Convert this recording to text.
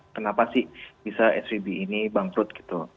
kenapa sih bisa svb ini bangkrut gitu